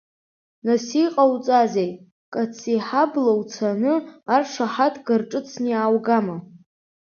Нас иҟауҵазеи, Кациҳабла уцаны аршаҳаҭга рҿыцны иааугама?